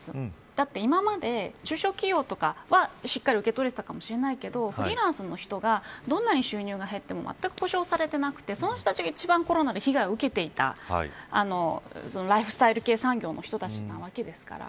だって今まで、中小企業とかはしっかり受け取れたかもしれないけどフリーランスの人がどんなに収入が減ってもまったく保証されてなくてその人たちが一番コロナで被害を受けていたライフスタイル系産業の人たちなわけですから。